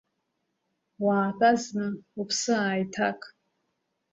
Уаатәа зны, уԥсы ааиҭак.